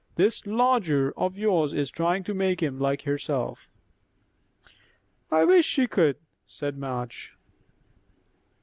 This lodger of yours is trying to make 'em like herself." "I wish she could!" said Madge.